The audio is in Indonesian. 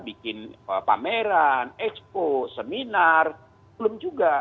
bikin pameran expo seminar belum juga